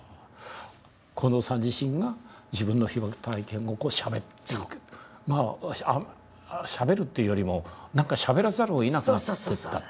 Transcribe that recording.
近藤さん自身が自分の被爆体験をしゃべるまあしゃべるっていうよりもしゃべらざるをえなくなってた。